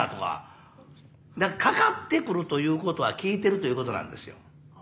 かかってくるということは聴いてるということなんですよ。